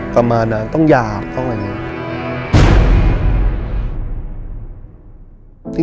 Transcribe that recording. ประมาณนั้นต้องหยาบต้องอะไรอย่างนี้